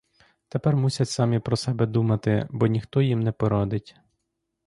Тепер мусять самі про себе думати, бо ніхто їм не порадить.